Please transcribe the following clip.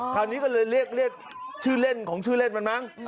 คราวนี้ก็เลยเรียกชื่อเล่นของชื่อเล่นมันมั้ง